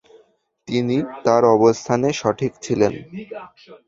তিনি তার অবস্থানে সঠিক ছিলেন।